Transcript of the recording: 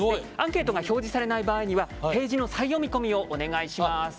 アンケートが表示されない場合にはページの再読み込みをお願いします。